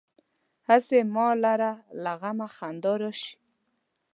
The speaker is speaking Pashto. هسې ما لره له غمه خندا راشي.